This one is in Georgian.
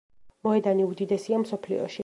მოედანი უდიდესია მსოფლიოში.